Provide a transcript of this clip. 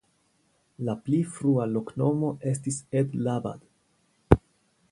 La pli frua loknomo estis "Edlabad".